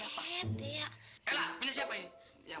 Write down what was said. ya pak sih bukan punya kita ya